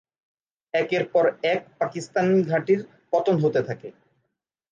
একের পর এক পাকিস্তানি ঘাঁটির পতন হতে থাকে।